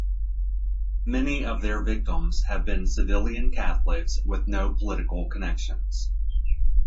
Many of their victims have been civilian Catholics with no political connections.